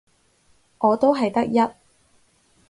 我都係得一